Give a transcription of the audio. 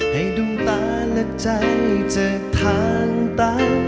ให้ดวงตาและใจจากทางตา